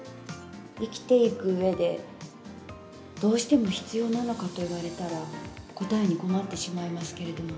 生きていくうえで、どうしても必要なのかと言われたら、答えに困ってしまいますけれども。